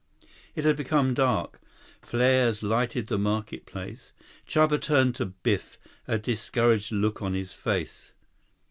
It had become dark. Flares lighted the market place. Chuba turned to Biff, a discouraged look on his face.